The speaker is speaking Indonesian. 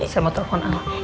saya mau telepon al